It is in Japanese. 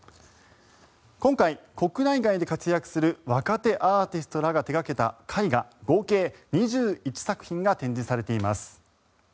今回、国内外で活躍する若手アーティストらが手掛けた絵画合計２１作品が展示されています。